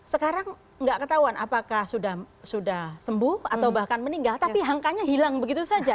sekarang nggak ketahuan apakah sudah sembuh atau bahkan meninggal tapi angkanya hilang begitu saja